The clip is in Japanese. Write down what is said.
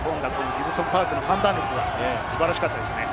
ギブソン＝パークの判断力が素晴らしかったですね。